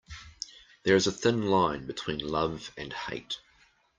There is a thin line between love and hate.